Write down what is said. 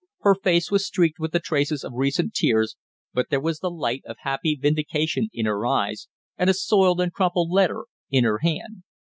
Her face was streaked with the traces of recent tears, but there was the light of happy vindication in her eyes, and a soiled and crumpled letter in her hand.